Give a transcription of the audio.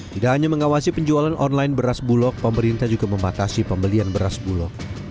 tidak hanya mengawasi penjualan online beras bulog pemerintah juga membatasi pembelian beras bulog